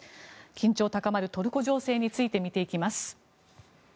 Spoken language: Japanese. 緊張が高まるトルコ情勢について見ていきます。